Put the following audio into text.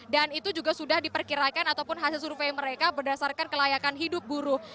dan itu juga sudah diperkirakan ataupun hasil survei mereka berdasarkan kelayakan hidup buruh